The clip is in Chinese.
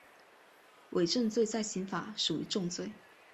伪证罪在刑法属于重罪。